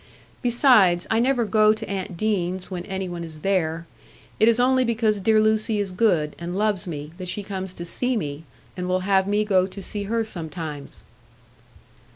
Besides, I never go to aunt Deane's when any one is there; it is only because dear Lucy is good, and loves me, that she comes to see me, and will have me go to see her sometimes."